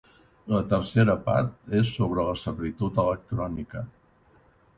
La tercera part és sobre la servitud electrònica.